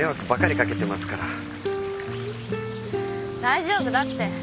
大丈夫だって。